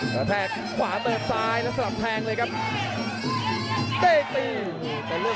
กระโดยสิ้งเล็กนี่ออกกันขาสันเหมือนกันครับ